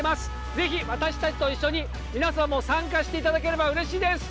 是非私達と一緒にみなさんも参加していただければ嬉しいです